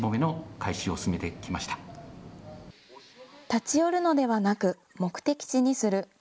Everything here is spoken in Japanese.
立ち寄るのではなく目的地にする。